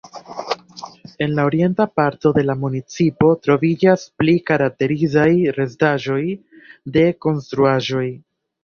En la orienta parto de la municipo troviĝas pli karakterizaj restaĵoj de konstruaĵoj.